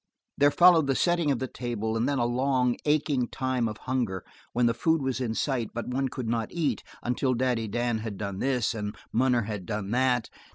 There followed the setting of the table, and then a long, aching time of hunger when the food was in sight, but one could not eat until Daddy Dan had done this, and Munner had done that.